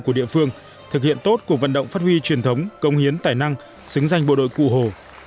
của địa phương thực hiện tốt cuộc vận động phát huy truyền thống công hiến tài năng xứng danh bộ đội cụ hồ